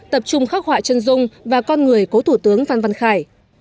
tập trung khắc họa chân dung và con người cố thủ tướng phan văn khải